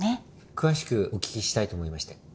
詳しくお聞きしたいと思いまして。